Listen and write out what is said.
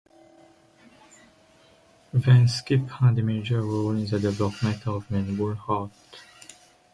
Van 't Schip had a major role in the development of Melbourne Heart.